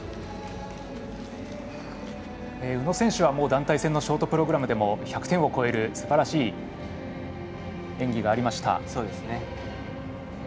宇野選手は団体戦のショートプログラムでも１００点を超えるすばらしい演技がありました。